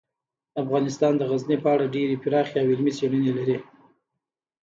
افغانستان د غزني په اړه ډیرې پراخې او علمي څېړنې لري.